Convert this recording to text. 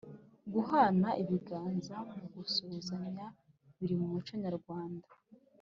guhana ibiganza mu gusuhuzanya biri mu muco nyarwanda